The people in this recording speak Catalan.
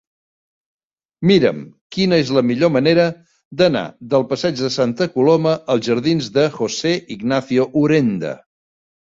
Mira'm quina és la millor manera d'anar del passeig de Santa Coloma als jardins de José Ignacio Urenda.